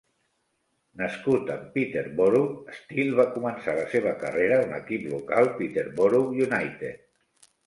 Nascut en Peterborough, Steele va començar la seva carrera en l'equip local Peterborough United.